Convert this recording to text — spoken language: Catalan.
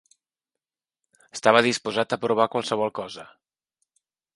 Estava disposat a provar qualsevol cosa.